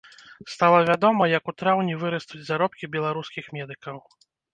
Стала вядома, як у траўні вырастуць заробкі беларускіх медыкаў.